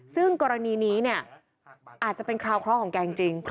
ซึ่งกรณีนี้อาจจะเป็นคราวครอบของแกจริง